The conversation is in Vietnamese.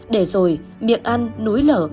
để rồi miệng ăn núi lở